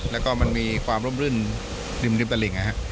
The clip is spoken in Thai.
แล้วก็มันมีความร่มรื่นริมริมตาริงอะฮะ